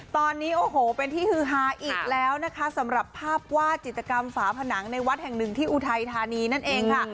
ตอนนี้โอ้โหเป็นที่ฮือฮาอีกแล้วนะคะสำหรับภาพวาดจิตกรรมฝาผนังในวัดแห่งหนึ่งที่อุทัยธานีนั่นเองค่ะ